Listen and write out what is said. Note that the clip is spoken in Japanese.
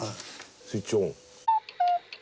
スイッチオン。